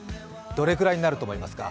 どれくらいになると思いますか？